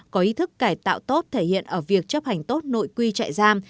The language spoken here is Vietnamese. có ý thức cải tạo tốt thể hiện ở việc chấp hành tốt nội quy trại giam